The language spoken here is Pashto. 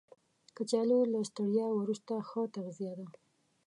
کچالو له ستړیا وروسته ښه تغذیه ده